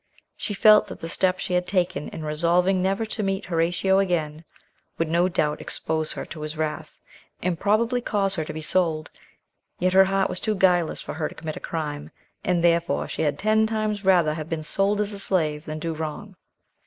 She felt that the step she had taken in resolving never to meet Horatio again would no doubt expose her to his wrath, and probably cause her to be sold, yet her heart was too guileless for her to commit a crime, and therefore she had ten times rather have been sold as a slave than do wrong.